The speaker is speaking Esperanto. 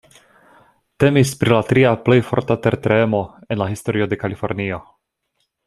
Temis pri la tria plej forta tertremo en la historio de Kalifornio.